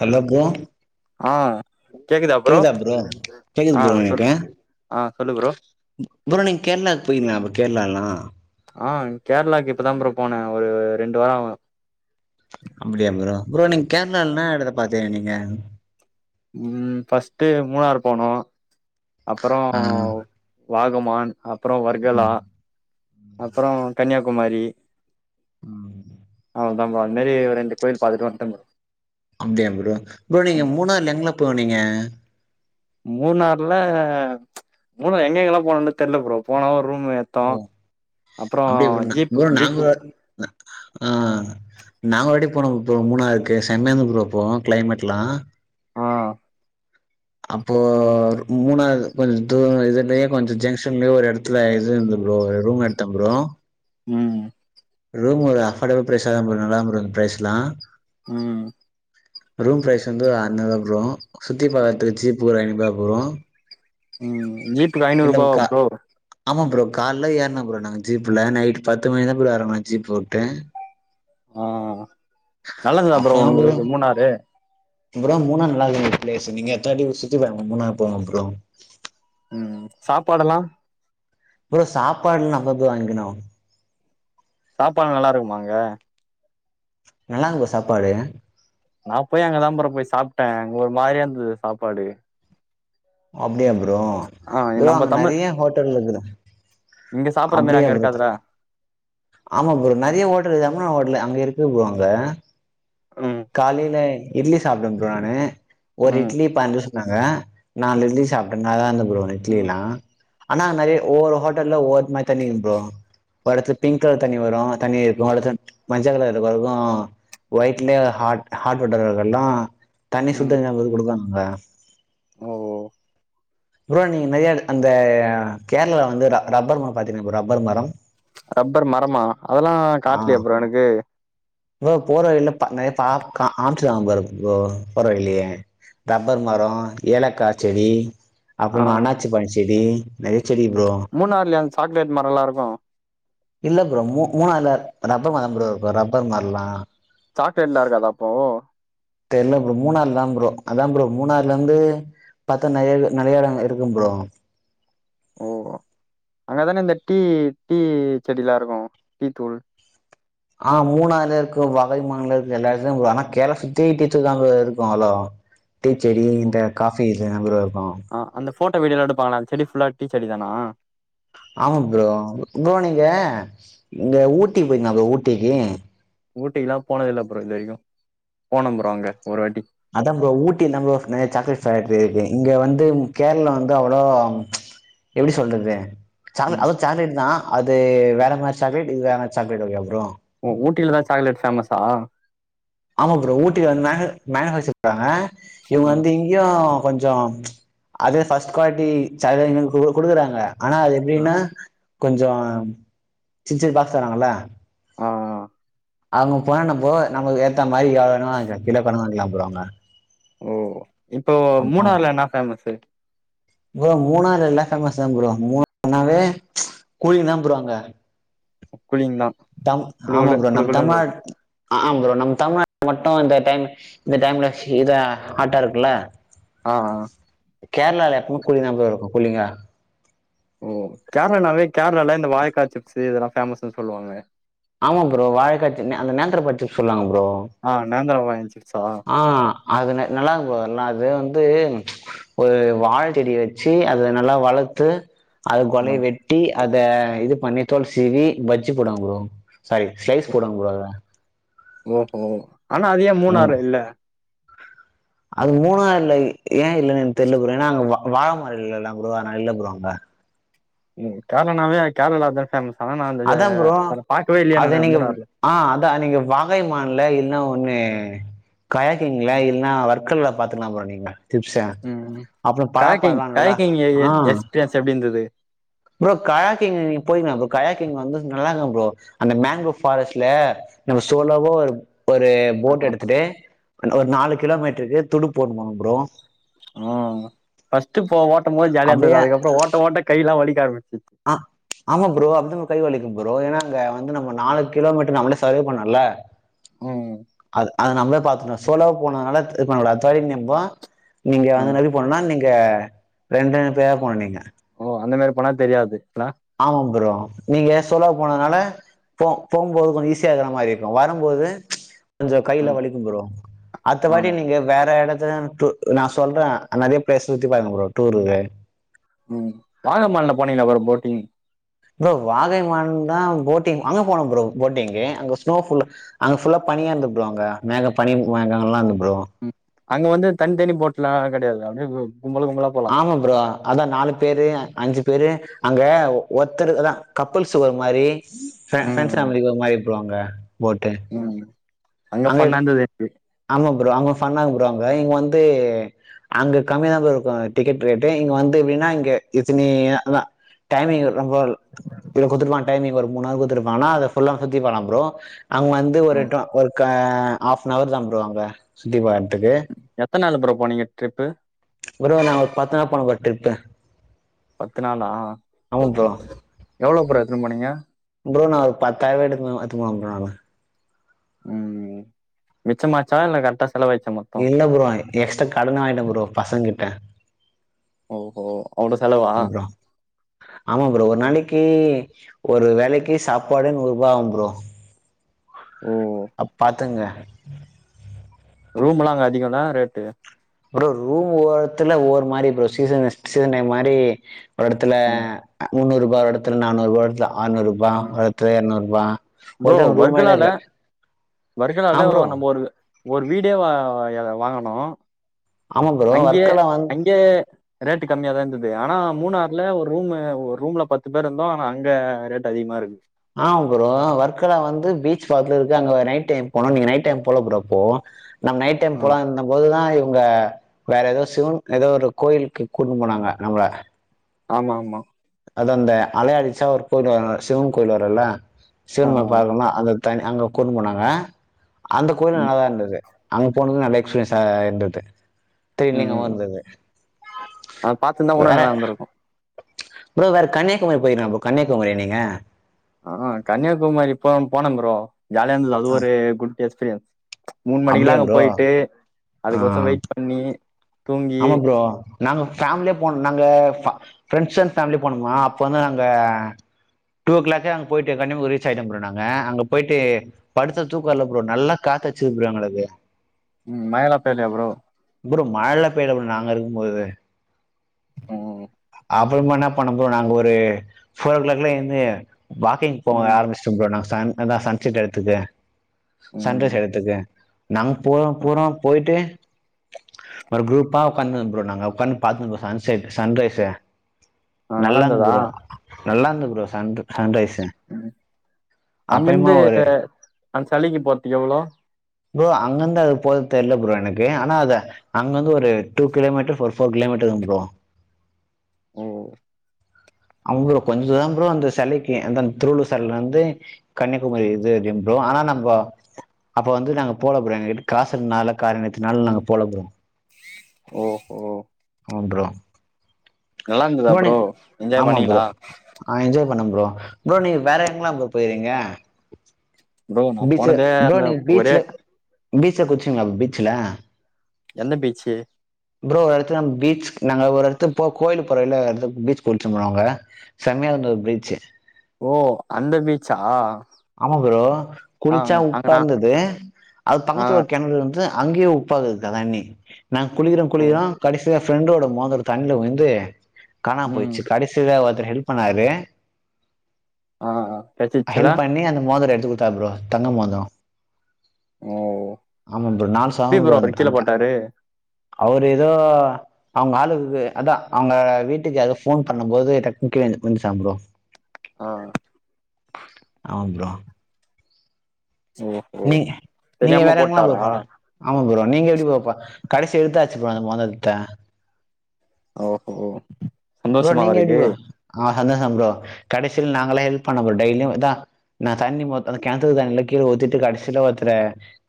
Hello போ ஆ கேக்குதா ப்ரோ கேக்குது ஆ ப்ரோ சொல் எனக்கு ஆ சொல்லு ப்ரோ ப்ரோ நீங்க கேரளாக்கு போயிருங்ளா கேரளாலாம் ஆ கேரளாக்கு இப்பதான் ப்ரோ போனேன் ஒரு ரெண்டு வாரம் ஆவு அப்படியா ப்ரோ ப்ரோ நீங்க கேரளால என்ன எடத்த பாத்தீங்க நீங்க ம் பஸ்ட் மூணாறு போனோம் அப்புறோ ஆ வாகமான் அப்புறம் வர்கலா ம் அப்ரோம் கன்னியாகுமரி ம் [unintelligible] நம்ம அதுமாதிரி ரெண்டு கோயில் பாத்துட்டு வந்ட்டேன் ப்ரோ அப்படியா ப்ரோ ப்ரோ நீங்க மூணாருல எங்களா போனீங்க ம் மூணுாறுல மூல எங்க எங்க போணோமூணு தெரில ப்ரோ போனதான் ரூம் ஓ எத்தோம் அப்புறோம் அப்டியா ப்ரோ நா ஜீப் ப்ரோ ஜீப் நாங்க ஆ நாங்க ஒருவாட்டி போனோம் ப்ரோ மூணாருக்கு செமயா ருந்து போனோ கிளைமேட்லாம் ஆ அப்போ மூணாரு கொஞ்சம் தூரம் இதுலயே கொஞ்சம் ஜங்ஷன்லயே ஒரு எடத்துல இது இருந்தது ப்ரோ ரூம் எடுத்தோப்ரோ ம் ரூம் ஒரு அஃபர்டபிள் ப்ரைச தான் ப்ரோ நல்லாதா ப்ரோ ப்ரைசலா ம் ரூம் ப்ரைஸ் வந்து அரனுருவ ப்ரோ சுத்தி பாக்கறதுக்கு ஷீப்கு ஒரு ஐநூற்வா ப்ரோ ம் ம் ஜீப்புக்கு ஐநூறுவா வா ப்ரோ காலேல ஏறுனோ ப்ரோ நாங்க ஜீப்ல நைட் பத்து மணிதான் போய் இறங்கனோம் ஜீப உட்டு ஆஹ் நல்லது தான் ப்ரோ உங்களுக்கு மூணாறு அப்புறோம் மூணாரு நல்லாருக்கு பிளேஸ்னு நீங்க சுத்தி பாருங்க மூணாரு போங்க ப்ரோ ம் சாப்படால்லாம் ப்ரோ சாப்பாடுலாம் நம்ம போய் வாங்கிகினும் சாப்பாடு நல்லா இருக்குமா அங்க நல்லா இருக்கும் ப்ரோ சாப்பாடு நான் போய் அங்கதான் ப்ரோ போய் சாப்ட்டேன்ஒரு மாரியா இருந்தது சாப்பாடு ஆம் அப்படியா புரோ ஆ ப்ரோ நம்ம அங்க தமிழ் நிறைய ஹோட்டல் இருக்குது இங்க சாப்புட்ற மாரி அப்படியா அங்க புரோ இருக்காதுடா ஆமா ப்ரோம் நிறைய ஓட்டல் [unintelligible] ஓட்டல் அங்க இருக்கு ப்ரோம் அங்க ம் காலையில இட்லி சாப்ட்டேன் ப்ரோ நானு ஒரு ம் இட்லி பாஞ்சி ரூ சொன்னாங்க நாலு ம் இட்லி சாப்ட்டேன் நாதான் இருந்து ப்ரோ அந்தஇட்லி ம் எல்லாம் ஆனா நிறைய ஒவ்வொரு ஹோட்டல்ல ஒவ்வொருத்த மாதிரி தண்ணி கும் ப்ரோ ஹாட் ஹாட் வாட்டர்ரால்லாம் தண்ணி ம் சுத்தண்ணித்தான் கொடுக்கங்க ஆ ஓ ப்ரோ நிறைய அந்த கேரளால வந்து ரப்பர் மரம் பாத்தீங்க ரப்பர் மரம் ரப்பர் மரமா அதெல்லா ஆ காட்லயா ப்ரோ எனக்கு ப்ரோ போற வழில [unintelligible] [unintelligible] ப்ரோ போற வழிலையே ரப்பர் மரம் ஏலக்காய் செடி அப்புர அண்ணாச்சிப்பழச்செ செடி ந மூணாறுலய அந்த சாக்லேட் மரம் லா இருக்கும் இல்ல ப்ரோ மூ மூணு நாள்ல ரப்பர் மரம் ப்ரோம் ரப்பர் மரலாம் சாக்லேட் லாம் இருக்காதா அப்போ தெரியல ப்ரோம் மூணாார்ல தான் ப்ரோம் அதா ப்ரோம் மூணாறுல இருந்து பார்த்தா நிறைய நிறை யடம் இருக்கு ப்ரோ ஓ அங்கதானே இந்த டீ டீ செடிலாம் இருக்கும் டீ தூள் ஆஹ் மூணார்ல இருக்கும் [unintelligible] இருக்கும் எல்லா இடத்துலயும் ஆனா கேரலா சுத்திட டீத்தூள் தா இருக்கும் ப்ரோ அவளோ டீச்செடி இந்த காஃபி கேமரோ ஆஹ் அந்த போட்டோ வீடியோ எடுப்பாங்கல்ல அந் செடி புல்லா டீச்செடி தானா ஆமா ப்ரோ ப்ரோ நீங்க இங்க ஊட்டிக்கு போயிருக்கீங்களா ப்ரோ ஊட்டிக்கு ஊட்டி க்கு லாம் போனதில்ல ப்ரோ இது வரைக்கும் போன ப்ரோ அங்க ஒரு வாட்டி அதான் ப்ரோ ஊட்டிய நிறைய சாக்லேட் ஃபாக்டரி இருக்கு இங்க வந்து கேரளம் வந்து அவ்வளவு எப்படி சொல்றது ம் அதோ சாக்லேட் தா அது வேற மாதிரி சாக்லேட் இது வேற மாதிரி சாக்லேட் ஓகே வா ப்ரோ ஊட்டிலதா சாக்லேட் பேஃமஸா ஆமா ப்ரோ ஊட்டில வந்து மேனுபாக்ச்சர் பன்றாங்க இவங்க ஆ வந்து இங்கயும் கொஞ்சம் அதே பர்ஸ்ட் குவாலிட்டி சாக்லேட் கொடுக்குறாங்க ஆனா அது ஆ எப்படின்னா கொஞ்சம் சின்ன சின்ன பாக்ஸ் தராங்கள ஆ அவங்க போனப்போ நமக்கு ஏத்த மாதிரி எவ்வளோண கிலோக்கணா வாங்கிக்கலாம் ப்ரோ அங்க ஓ இப்போ மூணறுல என்ன பேமஸு பரோ மூணார் எல்லாம் பேமஸ் தான் ப்ரோ மூணனாவே கூழி தா ப்ரோ அங்க கூழிங்கலா தம் ஆமா ப்ரோ நம் தமிழ்நாட் ஆ ப்ரோ நம்ம தமிழ்நாடு மட்டும் இந்த டைம் இந்த டைம்ல இத ஹாட்டா இருக்குல்ல ஆஹ் கேரளால எப்பமே குளிந்தா ம் ப்ரோ இருக்கும் குள்ளிங்கா ஓ கேரளனாவே கேரள இந்த வாயக்காய் சிப்ஸ் இதெல்லாம் பேஃமஸ்ன்னு சொல்லுவாங்க. ஆமா ப்ரோ வாழைக்க அந்த நேந்திரம் பழ சிப்ஸ் சொல்லாங்க ப்ரோ. ஆஹ நேந்திரா பழ சிப்ஸ் ஆஹ் அதுன நல்லா இருக்கும் ஃபுரோ அது வந்து ஒரு வாழ தெடி வச்சு அதை நல்லா வளர்த்து அது ஆ கொலைைய வெட்டி அத இது பண்ணித் தோள் சீவி பஜ்ஜு போடுவாங்க ஃபுரோ சாரி ஸ்லைஸ் போடுவாங்க அதல ஒ ஒஹோ ஆனா அது ஏன் ஆமா மூணாறு இல்ல அது மூணாறுல ஏ இல்லன்னு எனக்கு தெரியல ப்ரோ ஏன்னா வாழ வாழமர இல்லைல ப்ரோ அதனால இல்ல ப்ரோ அங்க உம் கேரளானாவே [unintelligible] தா ஃபேமஸ் ஆனா நா அந்த அதான் ப்ரோ அத பாக்கவே இல்லையே நானு அது நீங்க மூணாறுல ஆஹ் அதா நீங்க வாகை மான்ல இன்னொ ஒண்ணு காயக்கிங்கள இல்ன்னா வர்க்கள்ல பாத்துக்கலா ப்ரோ நீங்க டிப்ஸ உம் அப்புறம் களட்டிங் பலாப்பழம்லாம் நல்லா கழக்கிங் எ எ ஆ எக்ஸ்ரியன்ஸ் எப்டி இருந்துது ப்ரோ கயாக்கிங்க நீங்க போயக்காம் ப்ரோ கயாக்கிங் வந்து நல்லாருந்து ப்ரோ அந்த மேங்குரோவ் ஃபாரஸ்ட்ல நம்ம சோலோவோ ஒரு ஒரு போட் எடுத்துட்டு அந் ஒரு நாலு கிலோமீட்டருக்கு துடுப்பு போட்டு போணும் ப்ரோ ஹ ஃபஸ்ட் போ ஓட்டம் போது ஜாலியா அப்படியே இருந்தது அதுக்கப்புற ஓட்ட ஓட்ட கை எல்லா வலி க்க ஆரம் ஆ ஆமா ப்ரோ அப்டி கை வலிக்கும் ப்ரோ ஏன்னா அங்க வந்து நம்ம நாலு கிலோமீட்டர் நம்மளே சர்வே பண்ணம்ல ம் அது நம்மளே பாத்துட்டோ சோலோவு போனதுனால து பண்ணல தொழில் நுட்ப நீங்க ஆ வந்து [unintelligible] நீங் க ரெண்டு பேரா போனிங்க ஓ அந்த மாதிரி போனா தெரியாது இல்ல ஆமாம் ப்ரோ நீங்க சோலோ வா போனதுனால போ போகும்போது கொஞ்ச ஈஸியா இருக்கற மாதிரி இருக்கு வரும்போது கொஞ்ச ஆ கையெலா வலிக்கும் ப்ரோ அடுத்தவாட்டி ஆமா நீங்க வேற எடத் த து நா சொல்றே நெறைய பிளேஸ் சுத்தி பாருங்க ப்ரோ டூரு உம் வாங்கமான்ல போனிங்களா ப்ரோ போட்டிங் ப்ரோ வாகை மான்தா போட்டிங் அங்க போனோம் ப்ரோ போட்டிங்கு அங்க ஸ்னோ ஃபுல் அங்க ஃபுல்லா பனியா இருந்து ப்ரோ அங்க மேக பனி மேக எல்லா இருந்து ப்ரோ ம் அங்க வந்து தனித்தனி போட் லா கெடையாது அப்டியே கும்பல் கும்பலா போலா ஆமா ப்ரோ அதா நாலு பேரு அஞ்சு பேரு அங்கே ஒருத்தருக்கு தா கப்பில்ஸு ஒரு மாரி ஃபிரண் ம் ஃப்ரண்டஸ் னா ம் ஒரு மாரி ப்லா அங்க போட்டு ம் அங்க ஃபன்னா இருந்தது ஆமா ப்ரோ அங்க ஃபண்ணாங்க ப்ரோ அங்க இங்க வந்து அங்க கம்மியா தா ப்ரோ இருக்கு டிக்கெட் ரேட்டு இங்க வந்து எப்படின்னா இங்க இத்தனிய அதா டைமிங் ரொம்ப இ குடுத்துருப்பாங்னா டைமிங் ஒரு மூணு ஆர் குடுத்துருப்பாங்கன்னா அத ஃபுல்லா சுத்தி பாக்கலாம் ப்ரோ அங்க வந்து ஒரு ம் [unintelligible] ஒர்க் ப்ப ஆஃப் அன் அவர் தா ப்ரோ அங்க சுத்தி பாக்ற துக்கு எத்தனாலு ப்ரோ போனீங்க ட்ரிப்பு ஒருவ நா ஒரு பத்து நாள் போன ப்ரோ டிரிப்பு பத்து நாளா எவ்வள புரோ எடுத்துட்டுப்போனீங்க புரோ நா ஒரு பத்தாயிரவ எடுத்து போன புரோ உம் மிச்சமாச்ச இல்ல க இல்ல ப்ரோ எக்ஸ்ட்ரா கடன் வாங்கிட ப்ரோ பசங்கிட்ட ஓஹோ அவ்வள செலவா ப்ரோ ஆமா ப்ரோ ஒரு நாளைக்கு ஒரு வேலைக்கு சாப்பாடு நூரூபா ஆகு ப்ரோ ஓ அப்பா தங்க ரூம் எலா அங்க அதிகந்தா ரேட்டு ப்ரோ அப்பற ரூம் ஓரத்துல ஒரு மாரி அற சீசன் சீசன் மாரி ஒரு எடத்துல ம் அ முன் ஒரு எடத்துல நானுரூபா தா அறுநூறு ரூபா ம் ஒரு இரநூருபா ப்ரோ ஒருத்த ரூமா வர்கலால எடுக்கல ஆ வர்கலால ப்ரோ நம்ம ஒரு ஒரு வீடே வா வாயல வாங்கனு ஆமா ப்ரோ அங்கே வர்க்கலா வந்து அங்கே ரேட்டு கம்மியாதா இருந்தது ஆனா மூணாறுல ஒரு ரூம் ஒரு ரூம்ல பத்து பேர் இருந்தோ ஆனா அங்க ரேட் அதிகமா இருக்கு ஆஹ் ப்ரோ வர்கலா வந்து பீச் பாக்கத்துல இருக்கு அங்க நைட் டைம் போனு நீங்க நைட் டைம் போல ப்ரோ அப்போ நம்ம நைட் டைம் ஆ. போலா இருந்த போதுதா அவங்க வேற ஏதோ சிவன் ஏதோ ஒரு கோயிலுக்கு கூட்டுன்னு போனாங்க நம்ப ஆமா ஆமா அது அந்த அலையடிச்சா ஒரு கோயில் வரு சிவன் கோவில் வருல ஆ, சிவன் பாக்கலா அந்த த அங்க கூட்னுபோனாங்க அந்த கோயில் ம், நல்லாதா இருந்தது அங்க போனது நல்ல எக்ஸ்பீரியன்ஸா இருந்தது ட்ரெலிங்கமா இருந்தது அத பாத்தந்தா உன்னு நல்லா இருந்திருக்கு ஃப்ரோ வேற கன்னியாகுமரி போயிருக்கம் ஃப்ரோ கன்னியாகுமாரியா நீங்க ஆ கன்னியாகுமரி போ போனம்ஃப்ரோ ஜாலியாந்தது அது ஒரு குட் டேஸ் மூணு மணிக்கல்லா அப்டியா அங்க ப்ரோ போயிட்டு ஆ அதுக்கொச வெயிட் பண்ணி தூங்கி ஆமா ஃப்ரோ நாங்க ஃபேமிலியே போன நாங்க ஃபா பிரெண்ட்ஸ் அண்ட் ஃமிலி போண்ணுமா அப்ப வந்து நாங்க டூ ஓ கிளாக்கே அங்க போயிட்டு கன்னியாகுமாரி ரீச் ஆயிட்டம் ஃப்ரோ நாங்க அங்க போயிட்டு படுத்த தூக்க வரல ஃப்ரோ நல்லா காத்து அடிச்சது ஃப்ரோ எங்களுக்கு உம் மயிலாப்பலி எவ்ளோ உமரு மால டபேடபில் நாங்க இருக்கும் போது ஓ அப்றமா என்னா பண்ணம் ப்ரோ நாங்க ஒரு ஃபோர் ஓ க்ளாக்ல எந்து வாக்கிங் போக ம் ஆரம்பிச்சிடோம் ப்ரோ ந சன் அதா சன் செட்டு எடத்துக்கு சன் ம் ரைஸ் எடத்துக்கு நாங்க போறோம் போறோ போயிட்டு ஒரு க்ரூப்பா உக்காந்தோ ப்ரோ நாங்க உக்காந்து பாத்தோ ப்ரோ சன்செட் சன்ரை ஸு ஆ, நல்லா நல்லாந்து இருந்ததா ஃப்ரோ நல்லாந்து ஃப்ரோ சன்ரு சன் ரைஸ் அங்கேந்து ஒரு அந் சளிக்கி போற்த்து எவ்ளோ ப்ரோ அங்கந்து அது போத தெர்ல ப்ரோ எனக்கு ஆனா அத அங்கந்து ஒ ரு டூ கிலோமீட்டர் ஃபோர் ஃபோர் கிலோமீட்டதா ப்ரோ ம் அவ்வளோ கொஞ்ச தூரம் ஃப்ரோ அந்த சிலைக்கு அந்த திருவள்ளூர் சிலையிலருந்து கன்னியாகுமரி இது புரோ ஆனா நம்ம அப்ப வந்து நாங்க போகல எ காசுஇல்லாத காரணத்துனால நாங்க போகல புரோ ஓஹோ ஆ புரோ நல்லா இருந்ததா புரோ என்ஜாய் பண்ணிங்களா பண்ணோம் புரோ புரோ நீ வேற எங்கலா புரோ போயிறீங்க புரோ நா போனதே அந்த ஒரே ஃபீச்சில குளிச்சீங்களா ஃபீச்சல எந்த பீச்சு புரோ அந்த இடத்துல பீச் நாங்க ஒரு இடத்துக் இப்போ கோயிலு போகைல அடுத்த பீச் சொல்வாங்க செம்மையா இருந்தது பீச்சு ஓ அந்த பீச்சா ஆமா புரோ ஆ குளிச்சா உப்பா அங்கனா இருந்தது அது ஆ பக்கத்துல ஒரு கிணறு இருந்து அங்கேயும் உப்பா இருந்தது தண்ணி நாங்க குளிக்குறோம் ஓ குளிக்கிறோம் கடைசியா ஃப்ரெண்டோட மோதரம் தண்ணில விழுந்து காணாம் ம் போய்ச்சு கடைசில வ ஹெல்ப் பண்ணாரு ஆ கெட்சிச்சுலா மோதுரொ எடுத்து குத்தா ப்ரோ தங்க மோதுரொ ஓ ஆமாம் ப்ர் நா எப்டி சாவ் ப்ரோ வந் அவரு கீழ அந்த போட்டாரு அவரு ஏதோ அவ்ங்க ஆளுக்கு அதா அவ்ங்க வீட்டுக்கு எதோ ஃபோன் பண்ணம் போது டக்குன் கீழ உந்துச்சா ப்ரோ ஆ ஆ ப்ரோ ஓஹோ நீ நீங்க தெரியாம வேற என்ளா ப்ரோ போட்டாரா ப ஆமா ப்ரோ நீங்க எப்டி ப்ரோ ப கடசி எலுத்தா சி ப்ரோ அந்த மோதர்த்த ஓஹோ ப்ரோ சந்தோஷமா நீங்க எப்டி அவருக்கு ப்ரோ ஆ சந்தோஷம் ப்ரோ கடைசில நாங்கல்லா ஹெல்ப் பண்ணோ ப்ரோ டெய்லியுதா நா தண்ணி மொத்த கெணத்து தண்ணில கீழ ஊத்திட்டு கடசில ஒர்த்தற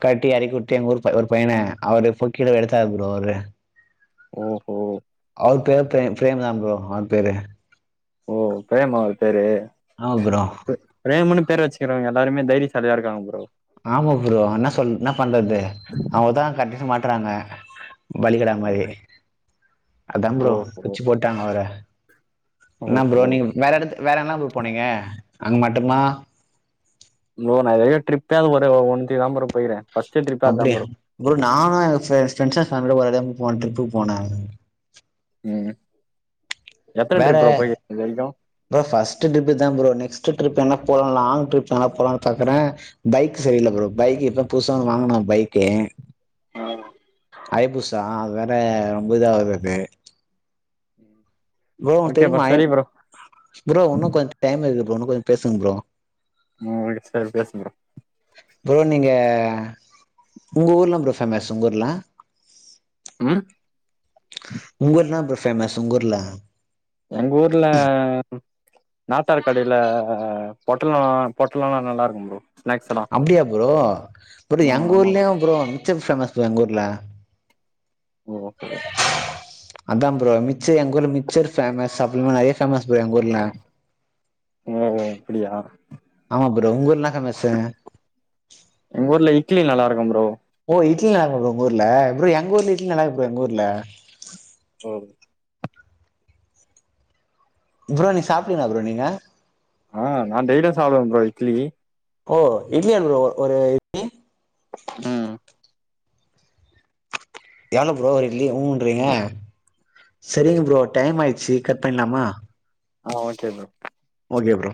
கட்டி எறக்கி வுட்டு எங்க ஊர்ப் ஒரு பயன அவரு புட்கிடு எடுத்தாரு ப்ரோ அவ்ரு ஓஹோ அவர் பேர் பிரேம் பிரேம் தா ப்ரோ அவர் பேரு ஓ பிரேம் அவரு பேரு ஆமா ப்ரோ பெ பிரேமுனு பேர் வச்சுக்கிறவங்க எல்லாருமே தைரியசாலியா இருக்காங்க ப்ரோ ஆமா ப்ரோ என்னா சொல் என்னா பண்றது அவருதா கடைசி மாட் ட்றாங்க பலிகடா ஓ மாரி அதா ப்ரோ ஓஹோ புடிச்சி போட்டாங்க அவர என்னா ப்ரோ ஓஹோ நீங்க வேற எடத்து வேற எங்கலா ப்ரோ போனீங்க அங்க மட்டுமா ப்ரோ ந இதுவரையு ட்டிரிப்பே அ ஒரு ஒன்னுத்துக்குதா ப்ரோ போய்க்கிற ஃபஸ் அப்டியா ப்ரோ நானு எங்க ப்ரெ ப்ரெண்ட்ஸ்ங்க ஃபேமிலியோட ஒரு டைம் போன டிரிப்புக்கு போன ம் எத்தன வேற, ட்ரிப் ப்ரோ போயிருக்கீங்க இது வரைக்கு ப்ரோ ஃபர்ஸ்ட் ட்ரிப் இதுதா ப்ரோ நெக்ஸ்ட் ட்ரிப் என்னா போலா லாங் ட்ரிப் எங்கலா போலான்னு பாக்குறே பைக் சரியில்ல ப்ரோ பைக் இப்ப புதுசா ஒன்னு வாங்கனு பைக்கு ஆ ஐ பூசா அது வேற ரொம்ப இதாகுது ப்ரோ ஒன் ஓகே தெரிய்மா சரி ஐயப் ப்ரோ ப்ரோ உன்னு கொஞ் டைம் இருக் ஒன்னு கொஞ் பேசுங் ப்ரோ ம் சரி பேசு ப்ரோ அ உங்க ஊர்ல ப்‌ரோ ஃபேமஸ் உங்க ஊர்ல ம் உங்க ஊர்லா ப்ரோ ஃபேமஸ் உங்கூர்ல எங்கூர்ல நாத்தார் கடைல பொட்டலோ பொட்டலோல்லா நல்லா இருக்கு ப்ரோ ஸ்நாக்ஸ் எல்லாம் அப்டியா ப்ரோ ப்ரோ ம் எங்க ஆமா ஊர்லயு ப்ரோ [unintelligible] ஃபேமஸ் எங்கூர்ல ஓஹோ அதா ப்ரோ மிச்சர் எங்க ஊர்ல மிச்சர் ஃபேமஸ் அப்ப இன்னு நெறைய ஃபேமஸ் ப்ரோ எங்க ஊர்ல ஓ அப்டியா ஆமா ப்ரோ உங்க ஊர்ல என்ன ஃபேமஸு எங்க ஊர்ல இட்லி நல்லா இருக்கு ப்ரோ ஓ இட்லி நல்லா இருக்குமா ப்ரோ உங்க ஊர்ல ப்‌ரோ எங்க ஊர்லயு இட்லி நல்லார்க்கு ப்ரோ எங்க ஊர்ல ப் ப்ரோ நீ சாப்டீங்ளா ப்ரோ நீங்க ஆஹ் நான் டெய்லியும் சாப்படுவேன் ப்ரோ இட்லி ஓ இட்லி அ ப்ரோ ஒரு இட்லி ம்ஹ் ஏங்க ப்ரோ இட்லிய ஊன்றீங்க சரிங்க ப்ரோ டைம் ஆயிடுச்சு கட் பண்ணிலாமா ஆஹ் ஓகே ப்ரோ ஓகே ப்ரோ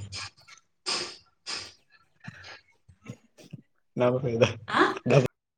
ஆஹ் ஓகே ப்ரோ